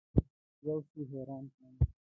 یوه شي حیران کړم.